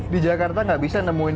di jakarta nggak bisa nemuin